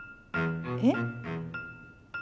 えっ？